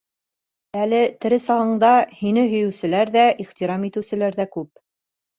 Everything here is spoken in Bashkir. Әле, тере сағыңда, һине һөйөүселәр ҙә, ихтирам итеүселәр ҙә күп.